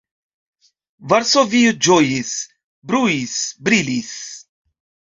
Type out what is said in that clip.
Varsovio ĝojis, bruis, brilis.